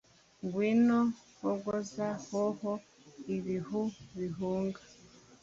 Ngwino hogoza hoho ibihu bihunga